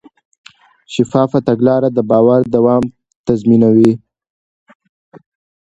شفافه تګلاره د باور دوام تضمینوي.